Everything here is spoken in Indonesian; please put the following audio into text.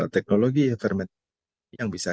teknologi yang bisa